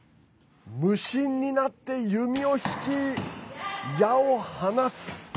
無心になって弓を引き、矢を放つ。